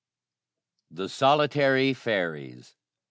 ] THE SOLITARY FAIRIES.